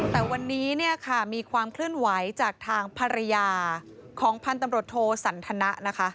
แต่วันนี้มีความเคลื่อนไหวจากทางภรรยาของพันธ์ตำรดโทสันทนะ